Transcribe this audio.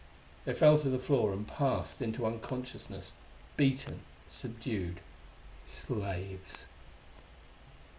They fell to the floor and passed into unconsciousness beaten, subdued. Slaves....